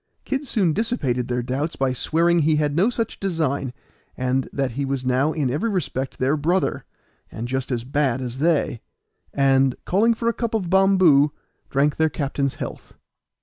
Kid soon dissipated their doubts by swearing he had no such design, and that he was now in every respect their brother, and just as bad as they, and, calling for a cup of bomboo, drank their captain's health.